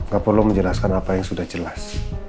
gak perlu menjelaskan apa yang sudah jelas